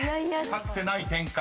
［かつてない展開です］